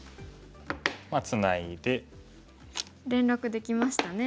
ツナいで。連絡できましたね。